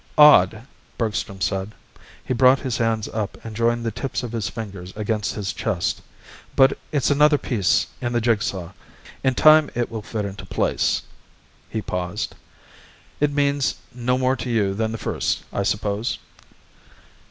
"Odd," Bergstrom said. He brought his hands up and joined the tips of his fingers against his chest. "But it's another piece in the jig saw. In time it will fit into place." He paused. "It means no more to you than the first, I suppose?"